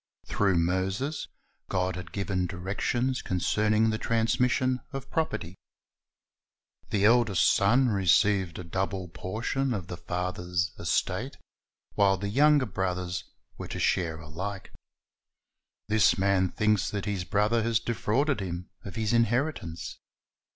Through Moses, God had given directions concerning the transmission of property. The eldest son received a double portion of the father's estate,^ while the younger brothers were to share alike. This man thinks that his brother has defrauded him of his inheritance.